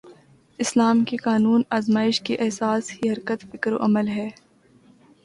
اسلام کے قانون آزمائش کی اساس ہی حریت فکر و عمل ہے۔